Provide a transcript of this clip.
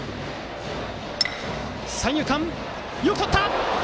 三遊間、よくとった！